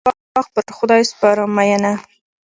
د ژړو ګلو باغ پر خدای سپارم مینه.